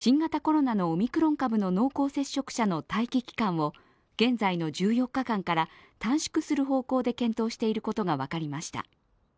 こうした中、政府が新型コロナのオミクロン株の濃厚接触者の待機期間を現在の１４日間から短縮する方向で検討していることが分かりました。